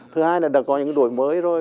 thứ hai là đã có những đổi mới rồi